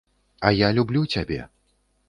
А я люблю цябе!